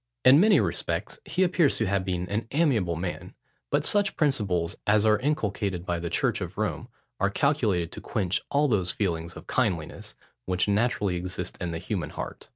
In many respects, he appears to have been an amiable man: but such principles as are inculcated by the church of Rome, are calculated to quench all those feelings of kindliness, which naturally exist in the human heart.